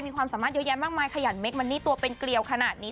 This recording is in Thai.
มีความสามารถเยอะแยะมากมายขยันเคมันนี่ตัวเป็นเกลียวขนาดนี้